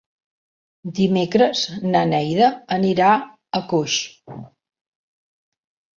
Dimecres na Neida anirà a Coix.